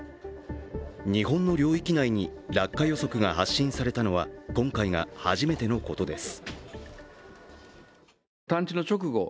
日本の領域内に落下予測が発信されたのは今回が初めてのことです。